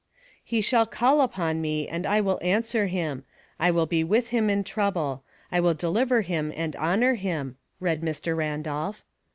"' He shall call upon me, and I will answer him ; I will be with him in trouble ; I will deliver him, and honor him,' " read Mr. Ran dolph.